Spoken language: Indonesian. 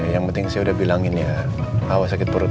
yang penting sih udah bilangin ya awas sakit perut